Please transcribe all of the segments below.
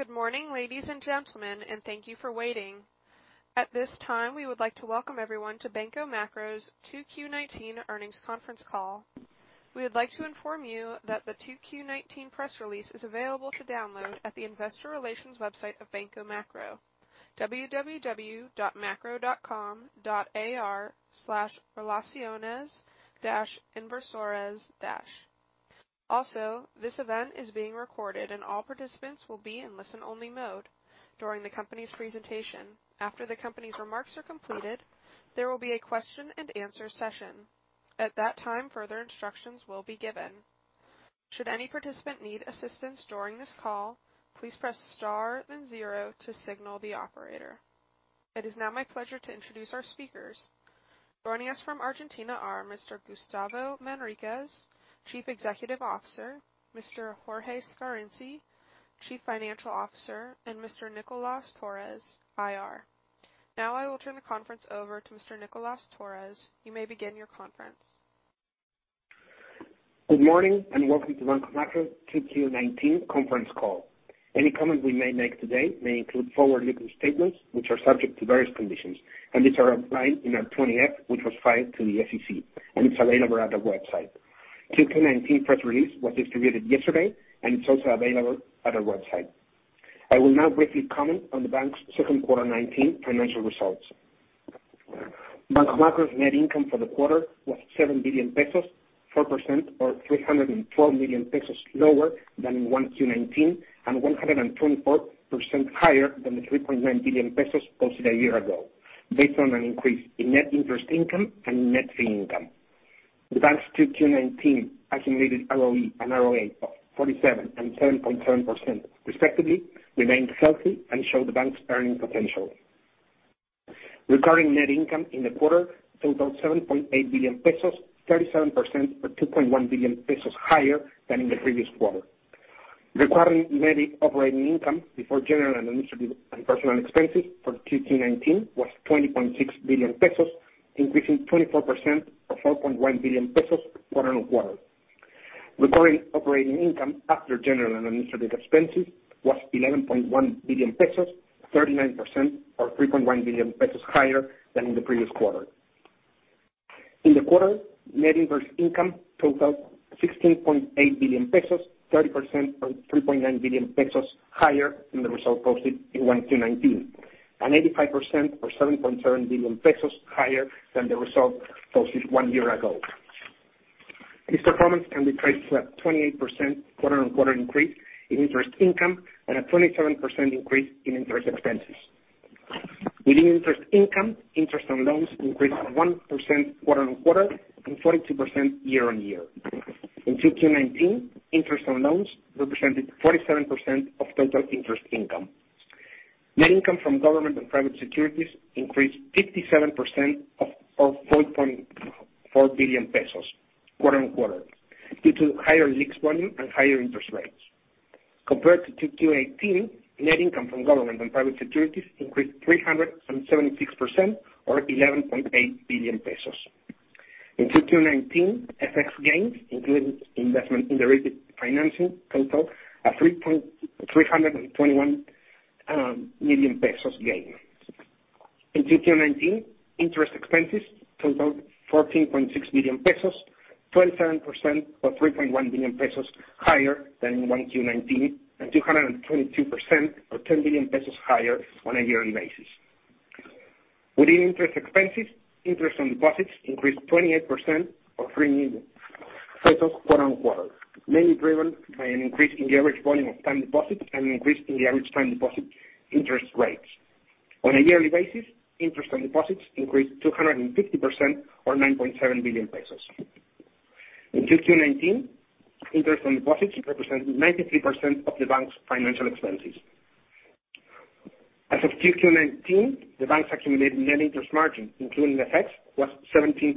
Good morning, ladies and gentlemen, and thank you for waiting. At this time, we would like to welcome everyone to Banco Macro's 2Q 2019 earnings conference call. We would like to inform you that the 2Q 2019 press release is available to download at the investor relations website of Banco Macro, www.macro.com.ar/relaciones-inversores. Also, this event is being recorded, and all participants will be in listen-only mode during the company's presentation. After the company's remarks are completed, there will be a question and answer session. At that time, further instructions will be given. Should any participant need assistance during this call, please press star then zero to signal the operator. It is now my pleasure to introduce our speakers. Joining us from Argentina are Mr. Gustavo Manriquez, Chief Executive Officer, Mr. Jorge Scarinci, Chief Financial Officer, and Mr. Nicolás Torres, IR. I will turn the conference over to Mr. Nicolás Torres. You may begin your conference. Good morning and welcome to Banco Macro 2Q 2019 conference call. Any comment we may make today may include forward-looking statements which are subject to various conditions. These are outlined in our 20-F, which was filed to the SEC, and it's available at the website. 2Q 2019 press release was distributed yesterday. It's also available at our website. I will now briefly comment on the bank's second quarter 2019 financial results. Banco Macro's net income for the quarter was 7 billion pesos, 4% or 312 million pesos lower than 1Q 2019, and 124% higher than the 3.9 billion pesos posted a year ago, based on an increase in net interest income and net fee income. The bank's 2Q 2019 accumulated ROE and ROA of 47% and 7.7%, respectively, remain healthy and show the bank's earning potential. Regarding net income in the quarter, totaled 7.8 billion pesos, 37% or 2.1 billion pesos higher than in the previous quarter. Recurrent net operating income before general and administrative and personal expenses for 2Q 2019 was 20.6 billion pesos, increasing 24% or 4.1 billion pesos quarter-on-quarter. Recurrent operating income after general and administrative expenses was 11.1 billion pesos, 39% or 3.1 billion pesos higher than in the previous quarter. In the quarter, net interest income totaled 16.8 billion pesos, 30% or 3.9 billion pesos higher than the result posted in 1Q 2019, and 85% or 7.7 billion pesos higher than the result posted one year ago. This performance can be traced to a 28% quarter-on-quarter increase in interest income and a 27% increase in interest expenses. Within interest income, interest on loans increased 1% quarter-on-quarter and 42% year-on-year. In 2Q 2019, interest on loans represented 47% of total interest income. Net income from government and private securities increased 57% or 5.4 billion pesos quarter-on-quarter due to higher lease volume and higher interest rates. Compared to 2Q 2018, net income from government and private securities increased 376% or ARS 11.8 billion. In 2Q 2019, FX gains, including investment in the rated financing, total a 321 million pesos gain. In 2Q 2019, interest expenses totaled 14.6 million pesos, 27% or 3.1 billion pesos higher than 1Q 2019 and 222% or 10 billion pesos higher on a yearly-basis. Within interest expenses, interest on deposits increased 28% or 3 million pesos quarter-on-quarter, mainly driven by an increase in the average volume of time deposits and increase in the average time deposit interest rates. On a yearly-basis, interest on deposits increased 250% or 9.7 billion pesos. In 2Q 2019, interest on deposits represented 93% of the bank's financial expenses. As of Q2 2019, the bank's accumulated net interest margin, including FX, was 17.6%,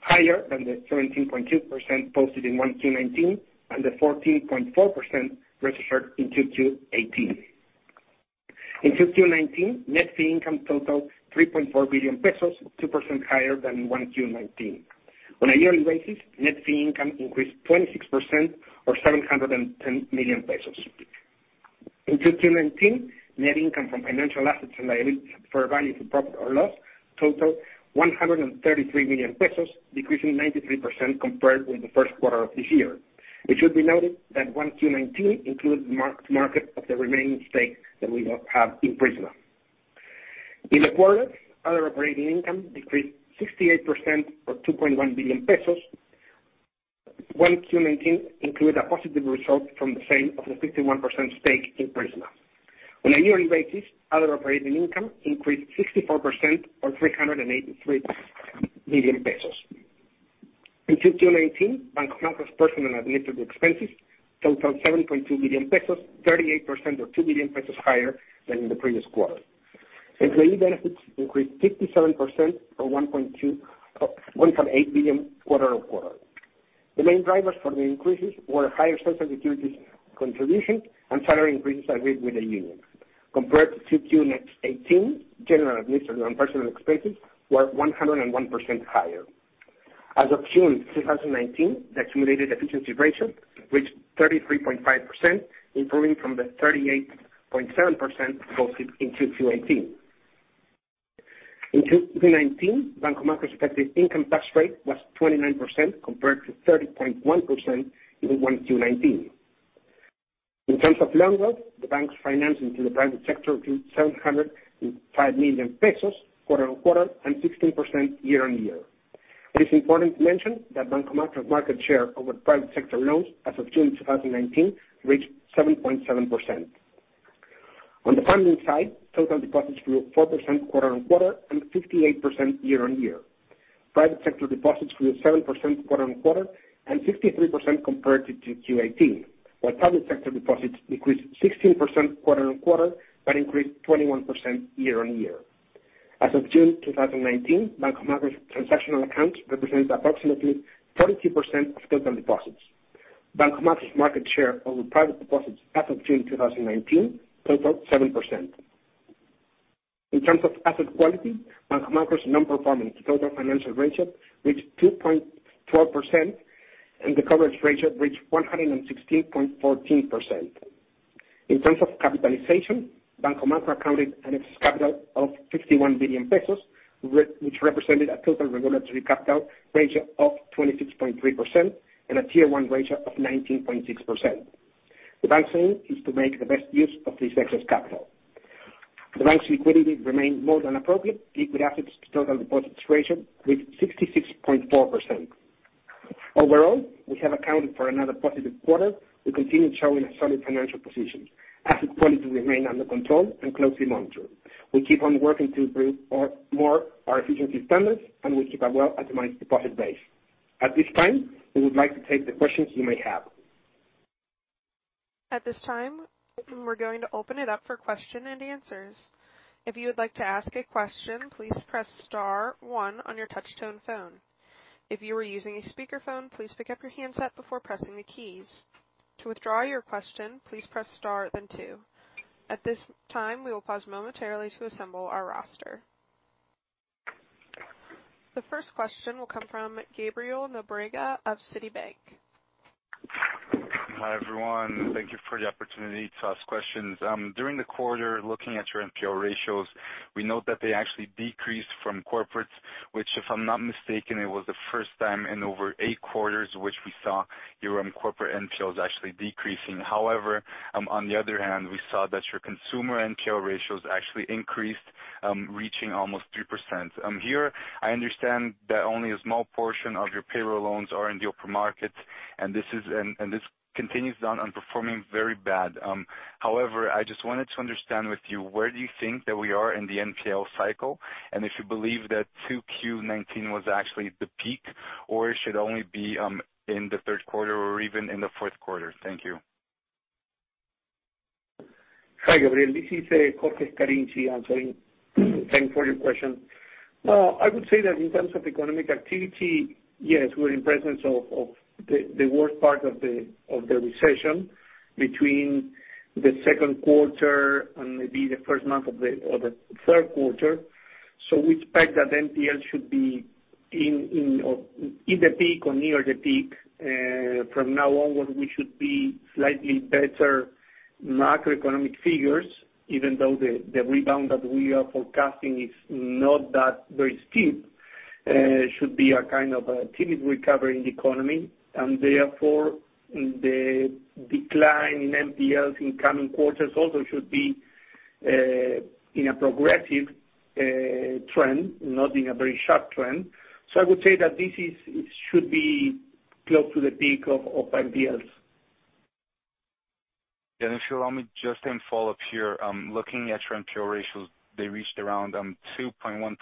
higher than the 17.2% posted in 1Q 2019 and the 14.4% registered in 2Q 2018. In 2Q 2019, net fee income totaled 3.4 billion pesos, 2% higher than 1Q 2019. On a yearly basis, net fee income increased 26% or 710 million pesos. In 2Q 2019, net income from financial assets and liabilities fair value to profit or loss totaled 133 million pesos, decreasing 93% compared with the first quarter of this year. It should be noted that 1Q 2019 includes mark-to-market of the remaining stake that we now have in Prisma. In the quarter, other operating income decreased 68% or 2.1 billion pesos. 1Q 2019 include a positive result from the sale of the 51% stake in Prisma. On a yearly basis, other operating income increased 64% or 383 million pesos. In 2Q 2019, Banco Macro's personal administrative expenses totaled 7.2 billion pesos, 38% or 2 billion pesos higher than in the previous quarter. Employee benefits increased 57% or 1.8 billion quarter-on-quarter. The main drivers for the increases were higher social security contributions and salary increases agreed with the union. Compared to 2Q 2018, general administrative and personal expenses were 101% higher. As of June 2019, the accumulated efficiency ratio reached 33.5%, improving from the 38.7% posted in Q2 2018. In 2Q 2019, Banco Macro's effective income tax rate was 29%, compared to 30.1% in 1Q 2019. In terms of loan growth, the bank's financing to the private sector grew 705 million pesos quarter-on-quarter and 16% year-on-year. It is important to mention that Banco Macro market share over private sector loans as of June 2019 reached 7.7%. On the funding side, total deposits grew 4% quarter-on-quarter and 58% year-on-year. Private sector deposits grew 7% quarter-on-quarter and 63% compared to 2Q 2018, while public sector deposits decreased 16% quarter-on-quarter, but increased 21% year-on-year. As of June 2019, Banco Macro's transactional accounts represent approximately 42% of total deposits. Banco Macro's market share over private deposits as of June 2019 total 7%. In terms of asset quality, Banco Macro's non-performance to total financial ratio reached 2.12%, and the coverage ratio reached 116.14%. In terms of capitalization, Banco Macro counted an excess capital of 51 billion pesos, which represented a total regulatory capital ratio of 26.3% and a tier one ratio of 19.6%. The bank's aim is to make the best use of this excess capital. The bank's liquidity remained more than appropriate. Liquid assets to total deposits ratio reached 66.4%. Overall, we have accounted for another positive quarter. We continue showing a solid financial position. Asset quality remain under control and closely monitored. We keep on working to improve more our efficiency standards, and we keep as well a managed deposit base. At this time, we would like to take the questions you may have. At this time, we're going to open it up for question and answers. If you would like to ask a question, please press star one on your touch-tone phone. If you are using a speakerphone, please pick up your handset before pressing the keys. To withdraw your question, please press star then two. At this time, we will pause momentarily to assemble our roster. The first question will come from Gabriel Nóbrega of Citibank. Hi, everyone. Thank you for the opportunity to ask questions. During the quarter, looking at your NPL ratios, we note that they actually decreased from corporates, which, if I'm not mistaken, it was the first time in over eight quarters, which we saw your corporate NPLs actually decreasing. However, on the other hand, we saw that your consumer NPL ratios actually increased, reaching almost 3%. Here, I understand that only a small portion of your payroll loans are in the open market, and this continues on outperforming very bad. However, I just wanted to understand with you, where do you think that we are in the NPL cycle, and if you believe that 2Q 2019 was actually the peak, or it should only be in the third quarter or even in the fourth quarter? Thank you. Hi, Gabriel. This is Jorge Scarinci answering. Thanks for your question. I would say that in terms of economic activity, yes, we're in presence of the worst part of the recession between the second quarter and maybe the first month of the third quarter. We expect that NPL should be in the peak or near the peak. From now onwards, we should be slightly better macroeconomic figures, even though the rebound that we are forecasting is not that very steep. Should be a kind of a timid recovery in the economy, therefore, the decline in NPLs in coming quarters also should be in a progressive trend, not in a very sharp trend. I would say that this should be close to the peak of NPLs. If you allow me just in follow-up here, looking at your NPL ratios, they reached around 2.1%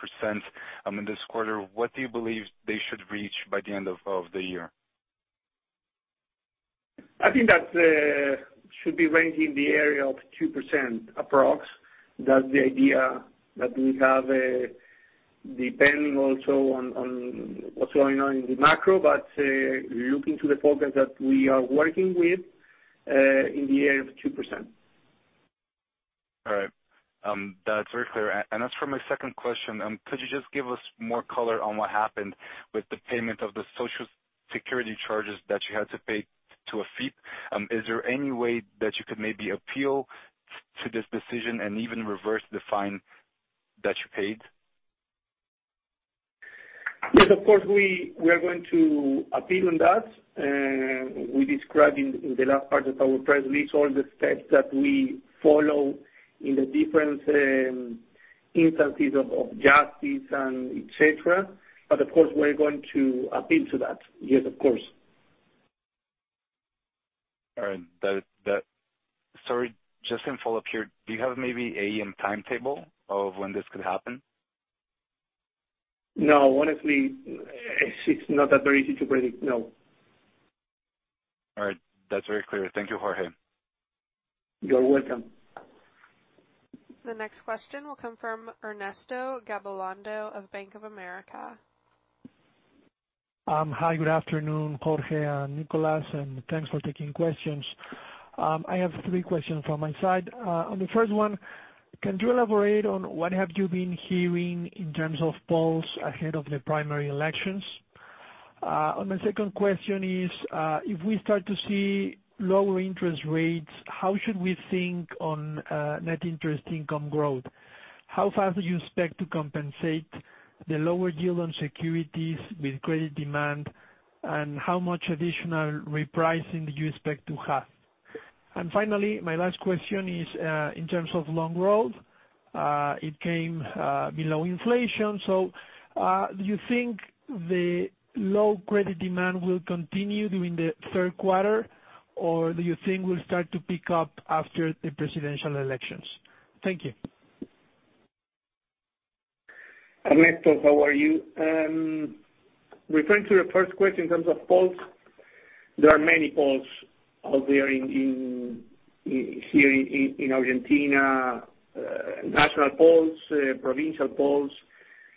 in this quarter. What do you believe they should reach by the end of the year? I think that should be ranging in the area of 2% approx. That's the idea that we have, depending also on what's going on in the macro, but looking to the focus that we are working with, in the area of 2%. All right. That's very clear. As for my second question, could you just give us more color on what happened with the payment of the Social Security charges that you had to pay to AFIP? Is there any way that you could maybe appeal to this decision and even reverse the fine that you paid? Yes, of course, we are going to appeal on that. We described in the last part of our press release all the steps that we follow in the different instances of justice and et cetera. Of course, we're going to appeal to that. Yes, of course. All right. Sorry, just in follow-up here, do you have maybe a timetable of when this could happen? No. Honestly, it's not that very easy to predict. No. All right. That's very clear. Thank you, Jorge. You're welcome. The next question will come from Ernesto Gabilondo of Bank of America. Hi, good afternoon, Jorge and Nicolás, and thanks for taking questions. I have three questions from my side. On the first one, can you elaborate on what have you been hearing in terms of polls ahead of the primary elections? My second question is, if we start to see lower interest rates, how should we think on net interest income growth? How fast do you expect to compensate the lower yield on securities with credit demand, and how much additional repricing do you expect to have? Finally, my last question is, in terms of loan growth, it came below inflation. Do you think the low credit demand will continue during the third quarter, or do you think it will start to pick up after the presidential elections? Thank you. Ernesto, how are you? Referring to your first question in terms of polls, there are many polls out there here in Argentina. National polls, provincial polls.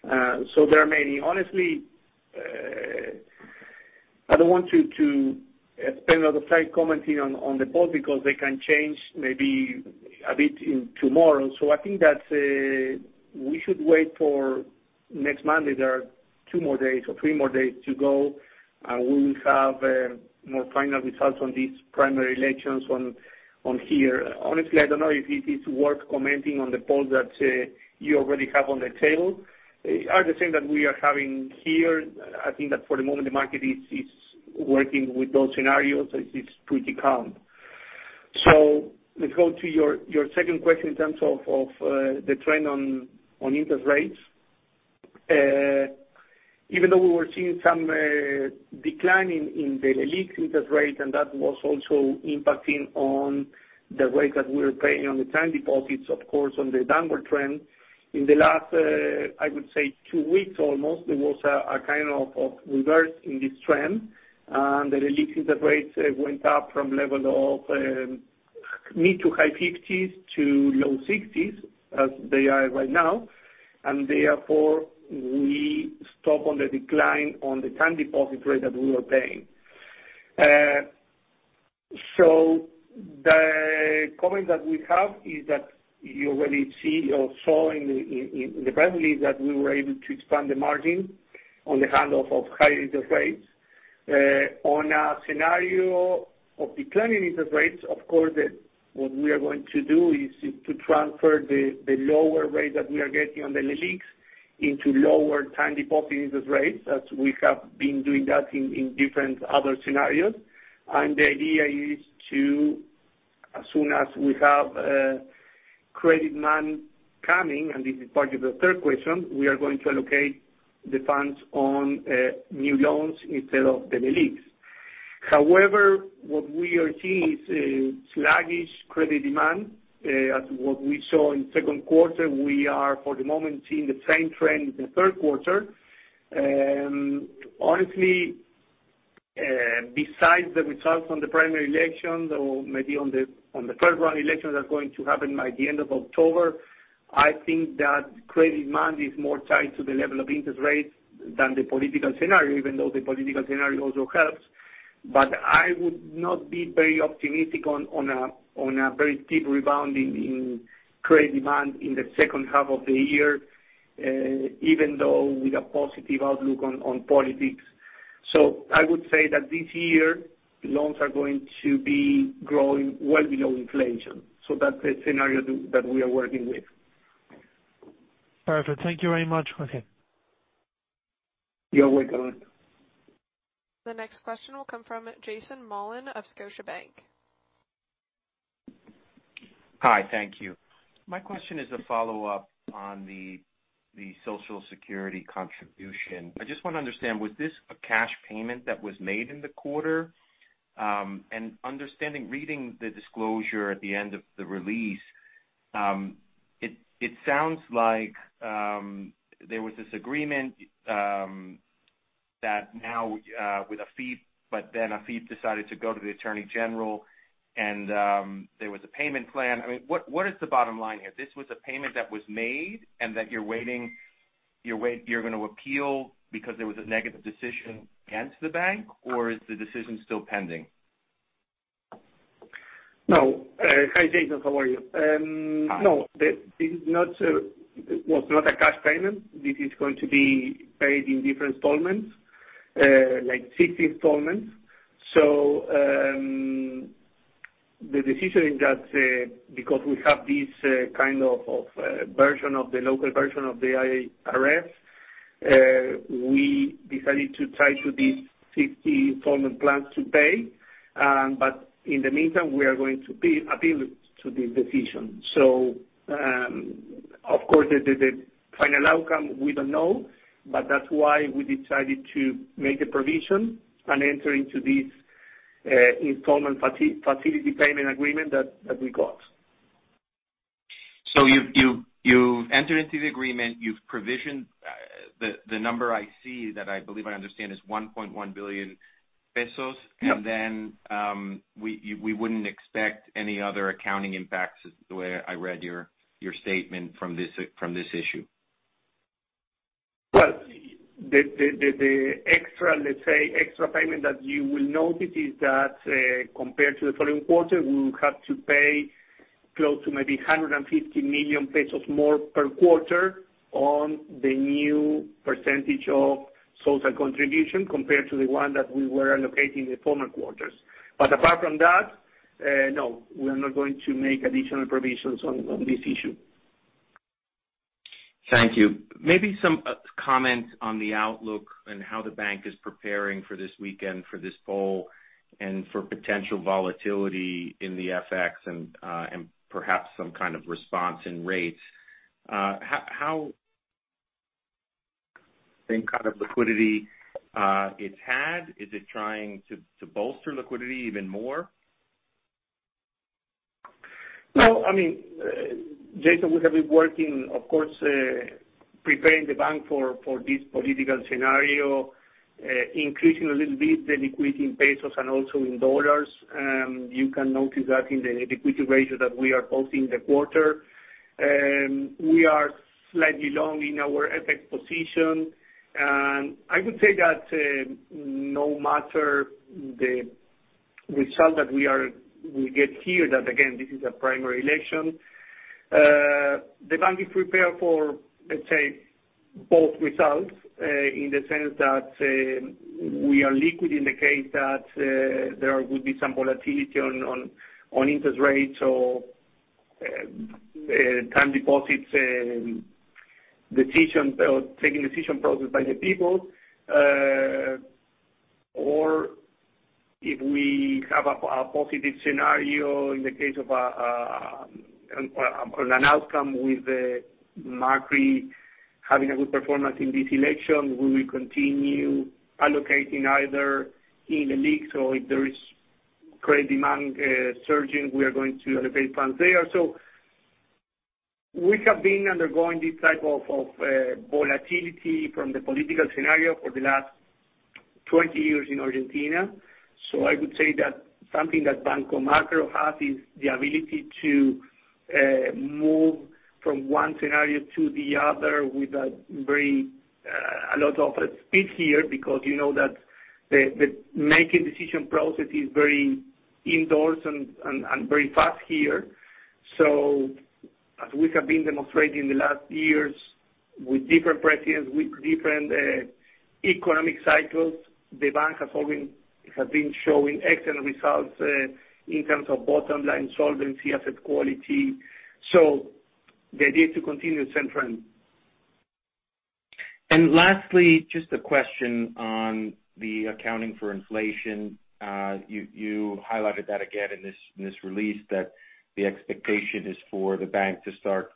There are many. Honestly, I don't want to spend a lot of time commenting on the polls because they can change maybe a bit tomorrow. I think that we should wait for next Monday. There are two more days or three more days to go, and we will have more final results on these primary elections on here. Honestly, I don't know if it is worth commenting on the polls that you already have on the table. I understand that we are having here, I think that for the moment the market is working with those scenarios. It's pretty calm. Let's go to your second question in terms of the trend on interest rates. Even though we were seeing some decline in the Leliq interest rate, and that was also impacting on the rate that we were paying on the time deposits, of course, on the downward trend. In the last, I would say two weeks almost, there was a kind of reverse in this trend, and the Leliq interest rates went up from level of mid to high 50s to low 60s, as they are right now. Therefore, we stop on the decline on the time deposit rate that we were paying. The comment that we have is that you already see or saw in the press release that we were able to expand the margin on the handle of high interest rates. On a scenario of declining interest rates, of course, what we are going to do is to transfer the lower rate that we are getting on the Leliqs into lower time deposit interest rates, as we have been doing that in different other scenarios. The idea is to, as soon as we have credit demand coming, and this is part of the third question, we are going to allocate the funds on new loans instead of the Leliqs. However, what we are seeing is a sluggish credit demand, as what we saw in second quarter. We are, for the moment, seeing the same trend in the third quarter. Honestly, besides the results from the primary elections or maybe on the first round elections are going to happen by the end of October, I think that credit demand is more tied to the level of interest rates than the political scenario, even though the political scenario also helps. I would not be very optimistic on a very steep rebound in credit demand in the second half of the year, even though with a positive outlook on politics. I would say that this year, loans are going to be growing well below inflation. That's the scenario that we are working with. Perfect. Thank you very much, Jorge. You are welcome. The next question will come from Jason Mollin of Scotiabank. Hi, thank you. My question is a follow-up on the Social Security contribution. I just want to understand, was this a cash payment that was made in the quarter? Understanding, reading the disclosure at the end of the release, it sounds like there was this agreement that now with AFIP, but then AFIP decided to go to the attorney general and there was a payment plan. What is the bottom line here? This was a payment that was made and that you're going to appeal because there was a negative decision against the bank, or is the decision still pending? No. Hi, Jason, how are you? Hi. No, this was not a cash payment. This is going to be paid in different installments, like six installments. The decision in that, because we have this kind of version of the local version of the IRS, we decided to tie to these six installment plans to pay. In the meantime, we are going to appeal to the decision. Of course, the final outcome, we don't know, but that's why we decided to make a provision and enter into this installment facility payment agreement that we got. You've entered into the agreement, you've provisioned the number I see that I believe I understand is 1.1 billion pesos. Yeah. We wouldn't expect any other accounting impacts, the way I read your statement from this issue? The extra payment that you will notice is that, compared to the following quarter, we will have to pay close to maybe 150 million pesos more per quarter on the new percentage of social contribution compared to the one that we were allocating in former quarters. Apart from that, no, we are not going to make additional provisions on this issue. Thank you. Maybe some comments on the outlook and how the bank is preparing for this weekend, for this poll, and for potential volatility in the FX and perhaps some kind of response in rates. The kind of liquidity it's had, is it trying to bolster liquidity even more? No, Jason, we have been working, of course, preparing the bank for this political scenario, increasing a little bit the liquidity in pesos and also in dollars. You can notice that in the liquidity ratio that we are posting the quarter. We are slightly long in our FX position. I would say that no matter the result that we get here, that again, this is a primary election. The bank is prepared for, let's say, both results, in the sense that we are liquid in the case that there would be some volatility on interest rates or time deposits, taking decision process by the people. If we have a positive scenario in the case of an outcome with Macri having a good performance in this election, we will continue allocating either in Leliqs or if there is credit demand surging, we are going to allocate funds there. We have been undergoing this type of volatility from the political scenario for the last 20 years in Argentina. I would say that something that Banco Macro has is the ability to move from one scenario to the other without a lot of speed here, because you know that making decision process is very indoors and very fast here. As we have been demonstrating the last years with different presidents, with different economic cycles, the bank has been showing excellent results in terms of bottom line solvency, asset quality. The idea is to continue the same trend. Lastly, just a question on the accounting for inflation. You highlighted that again in this release that the expectation is for the bank to start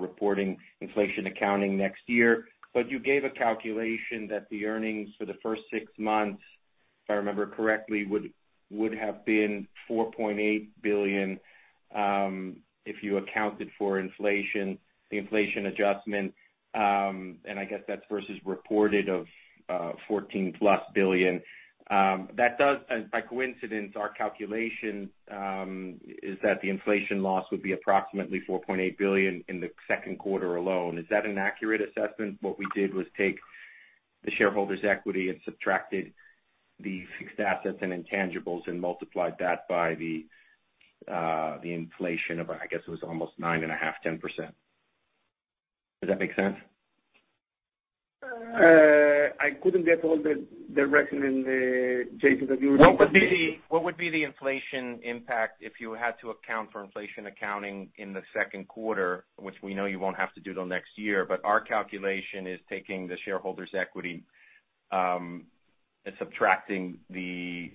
reporting inflation accounting next year. You gave a calculation that the earnings for the first six months, if I remember correctly, would have been 4.8 billion, if you accounted for inflation, the inflation adjustment. I guess that's versus reported of 14+ billion. By coincidence, our calculation is that the inflation loss would be approximately 4.8 billion in the second quarter alone. Is that an accurate assessment? What we did was take the shareholders equity and subtracted the fixed assets and intangibles and multiplied that by the inflation of, I guess it was almost 9.5%, 10%. Does that make sense? I couldn't get all the reckoning, Jason. What would be the inflation impact if you had to account for inflation accounting in the second quarter, which we know you won't have to do till next year. Our calculation is taking the shareholders' equity, and subtracting the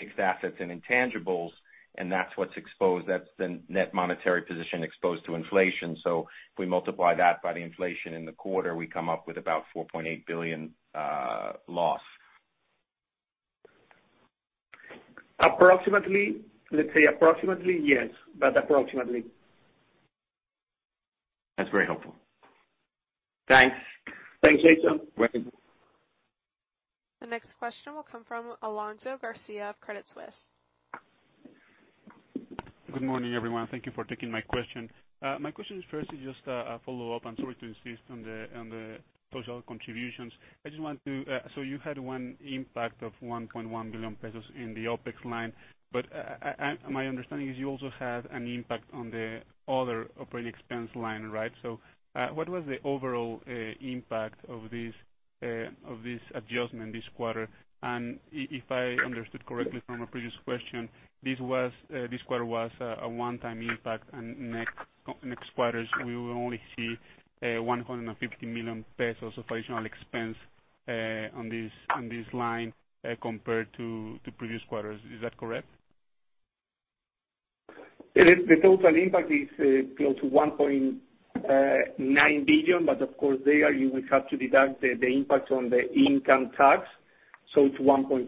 fixed assets and intangibles, and that's what's exposed. That's the net monetary position exposed to inflation. If we multiply that by the inflation in the quarter, we come up with about 4.8 billion loss. Approximately. Let's say approximately, yes. Approximately. That's very helpful. Thanks. Thanks, Jason. Welcome. The next question will come from Alonso Garcia of Credit Suisse. Good morning, everyone. Thank you for taking my question. My question first is just a follow-up, I'm sorry to insist on the social contributions. You had one impact of 1.1 billion pesos in the OpEx line, but my understanding is you also had an impact on the other operating expense line, right? What was the overall impact of this adjustment this quarter? If I understood correctly from a previous question, this quarter was a one-time impact, and next quarters, we will only see 150 million pesos of additional expense on this line compared to previous quarters. Is that correct? The total impact is close to 1.9 billion, but of course, there you will have to deduct the impact on the income tax, so it's 1.5 billion.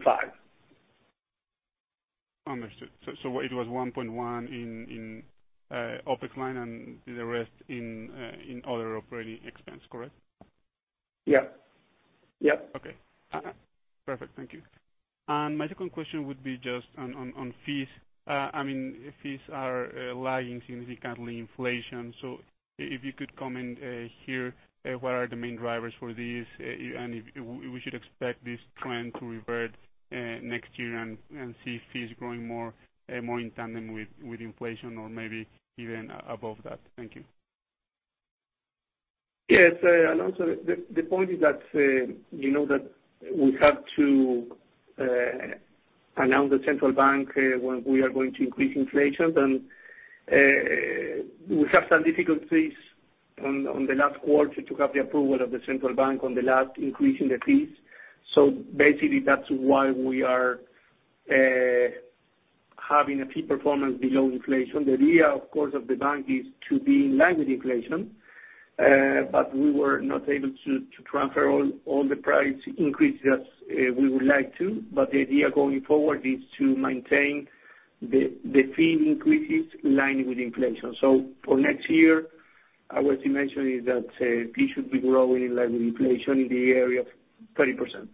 Understood. It was 1.1 billion in OpEx line and the rest in other operating expense, correct? Yeah. Okay. Perfect. Thank you. My second question would be just on fees. Fees are lagging significantly inflation. If you could comment here, what are the main drivers for this? If we should expect this trend to revert next year and see fees growing more in tandem with inflation or maybe even above that. Thank you. Yes, Alonso, the point is that we have to announce the central bank when we are going to increase inflation. We have some difficulties on the last quarter to have the approval of the central bank on the last increase in the fees. Basically, that's why we are having a fee performance below inflation. The idea, of course, of the bank is to be in line with inflation, but we were not able to transfer all the price increases we would like to. The idea going forward is to maintain the fee increases in line with inflation. For next year, our estimation is that fees should be growing in line with inflation in the area of 30%.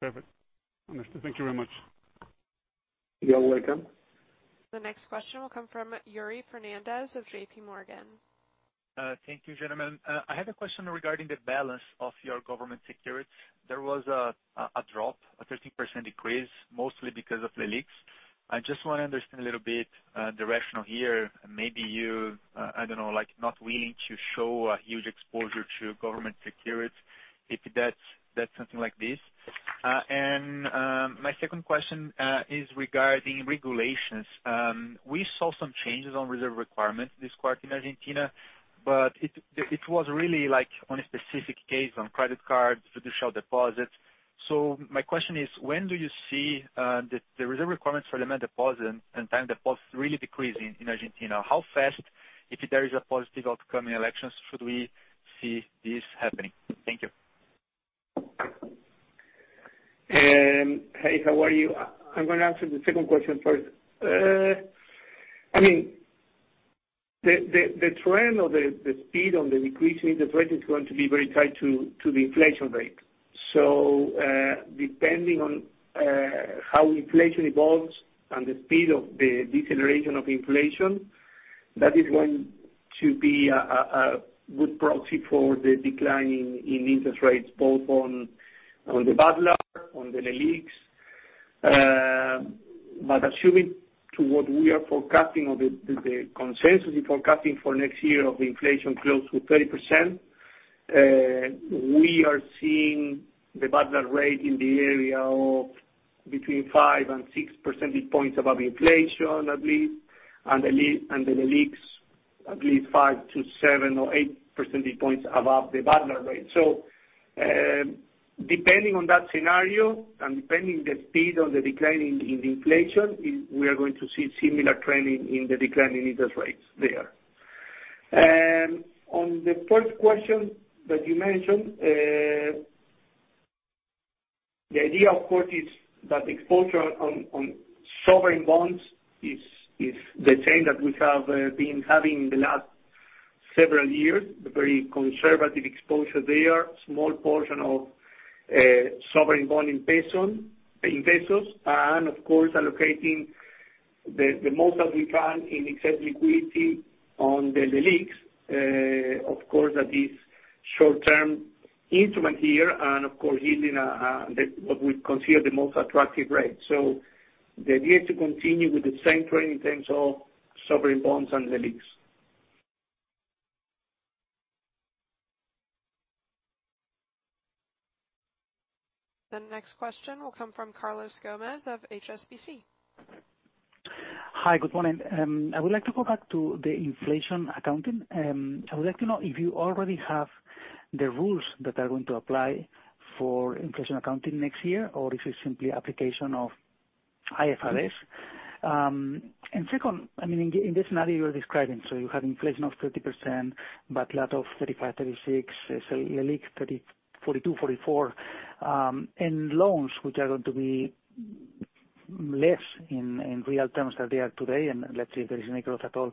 Perfect. Understood. Thank you very much. You are welcome. The next question will come from Yuri Fernandes of JPMorgan. Thank you, gentlemen. I had a question regarding the balance of your government securities. There was a drop, a 13% decrease, mostly because of Leliqs. I just want to understand a little bit the rationale here. Maybe you, I don't know, not willing to show a huge exposure to government securities, if that's something like this. My second question is regarding regulations. We saw some changes on reserve requirements this quarter in Argentina, but it was really on a specific case on credit cards, judicial deposits. My question is, when do you see the reserve requirements for demand deposits and time deposits really decreasing in Argentina? How fast, if there is a positive outcome in elections, should we see this happening? Thank you. Hey, how are you? I'm going to answer the second question first. The trend or the speed on the decreasing interest rate is going to be very tied to the inflation rate. Depending on how inflation evolves and the speed of the deceleration of inflation, that is going to be a good proxy for the decline in interest rates, both on the BADLAR, on the Leliqs. Assuming to what we are forecasting or the consensus forecasting for next year of inflation close to 30%, we are seeing the BADLAR rate in the area of between 5 percentage points and 6 percentage points above inflation, at least, and the Leliqs at least 5 percentage points-7 percentage points or 8 percentage points above the BADLAR rate. Depending on that scenario, and depending the speed of the decline in the inflation, we are going to see similar trending in the decline in interest rates there. On the first question that you mentioned, the idea, of course, is that exposure on sovereign bonds is the trend that we have been having in the last several years, a very conservative exposure there. Small portion of sovereign bond in pesos. Of course, allocating the most that we can in excess liquidity on the Leliqs. Of course, that is short-term instrument here and of course, yielding what we consider the most attractive rate. The idea to continue with the same trend in terms of sovereign bonds and Leliqs. The next question will come from Carlos Gomez of HSBC. Hi, good morning. I would like to go back to the inflation accounting. I would like to know if you already have the rules that are going to apply for inflation accounting next year, or if it's simply application of IFRS. Second, in this scenario you are describing, so you have inflation of 30%, but a lot of 35%, 36%, Leliq, 42%, 44%, and loans which are going to be less in real terms than they are today, and let's see if there is any growth at all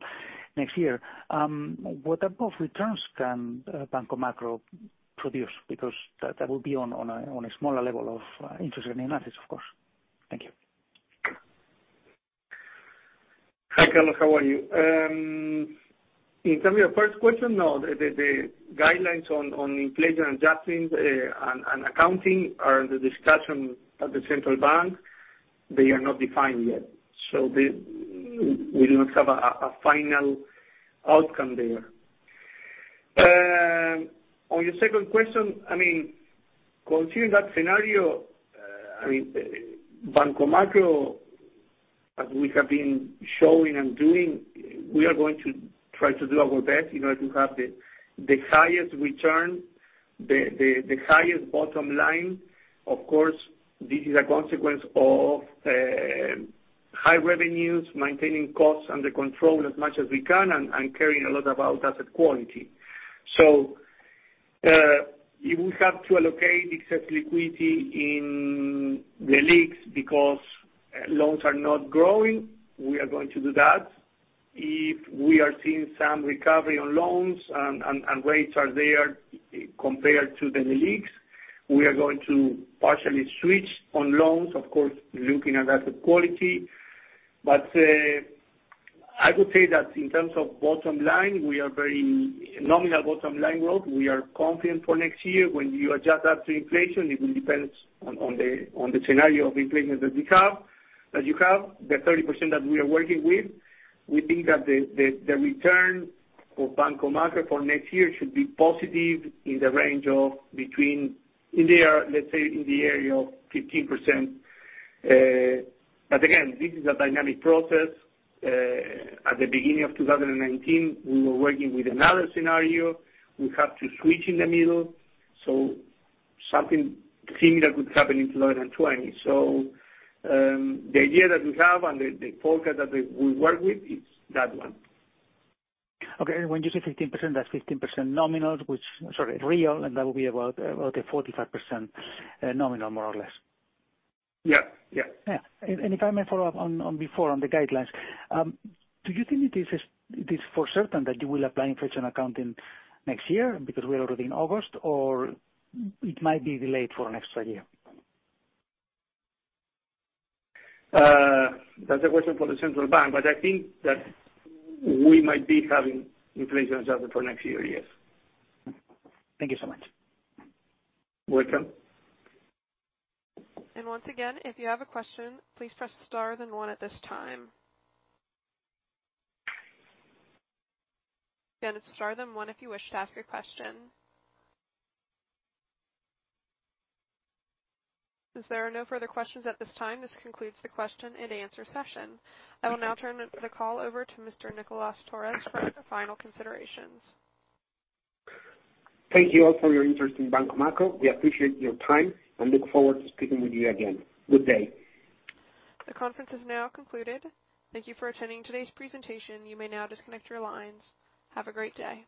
next year. What above returns can Banco Macro produce? That will be on a smaller level of interest rate analysis, of course. Thank you. Hi, Carlos. How are you? In terms of your first question, no, the guidelines on inflation adjustments and accounting are under discussion at the central bank. They are not defined yet. We do not have a final outcome there. On your second question, considering that scenario, Banco Macro, as we have been showing and doing, we are going to try to do our best in order to have the highest return, the highest bottom line. Of course, this is a consequence of high revenues, maintaining costs under control as much as we can, and caring a lot about asset quality. You will have to allocate excess liquidity in Leliqs because loans are not growing. We are going to do that. If we are seeing some recovery on loans and rates are there compared to the Leliqs, we are going to partially switch on loans, of course, looking at asset quality. I would say that in terms of bottom line, we are very nominal bottom line growth. We are confident for next year. When you adjust that to inflation, it will depend on the scenario of inflation that you have, the 30% that we are working with. We think that the return for Banco Macro for next year should be positive in the range of between, let's say, in the area of 15%. Again, this is a dynamic process. At the beginning of 2019, we were working with another scenario. We have to switch in the middle. Something similar could happen in 2020. The idea that we have and the forecast that we work with is that one. Okay. When you say 15%, that's 15% nominal, which, sorry, real, and that will be about a 45% nominal, more or less. Yeah. Yeah. If I may follow up on before on the guidelines, do you think it is for certain that you will apply inflation accounting next year because we are already in August, or it might be delayed for next year? That's a question for the central bank, but I think that we might be having inflation adjusted for next year, yes. Thank you so much. Welcome. Once again, if you have a question, please press star then one at this time. Again, it's star then one if you wish to ask a question. As there are no further questions at this time, this concludes the question and answer session. I will now turn the call over to Mr. Nicolás Torres for the final considerations. Thank you all for your interest in Banco Macro. We appreciate your time and look forward to speaking with you again. Good day. The conference is now concluded. Thank you for attending today's presentation. You may now disconnect your lines. Have a great day.